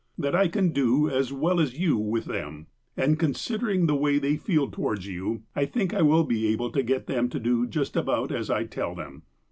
That I can do as well as you with them. And, consider ing the way they feel towards you, I think I will be able to get them to do just about as I tell them.